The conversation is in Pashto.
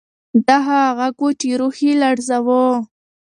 دا هغه غږ و چې روح یې لړزاوه.